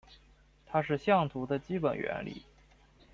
它是相图的基本原理。